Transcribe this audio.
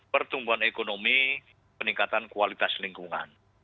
pertumbuhan ekonomi peningkatan kualitas lingkungan